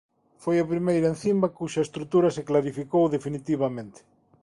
Foi a primeira encima cuxa estrutura se clarificou definitivamente.